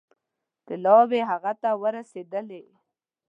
طلاوې هغه ته ورسېدلې.